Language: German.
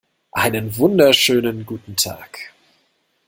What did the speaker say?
Einen wunderschönen guten Tag!